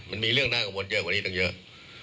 มันมีเรื่องน่ากังวลเยอะกว่านี้ตั้งเยอะ